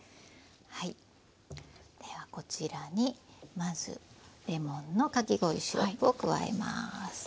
はいではこちらにまずレモンのかき氷シロップを加えます。